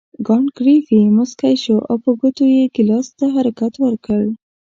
کانت ګریفي مسکی شو او په ګوتو یې ګیلاس ته حرکت ورکړ.